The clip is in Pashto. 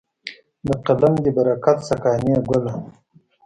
د قلم دې برکت شه قانع ګله.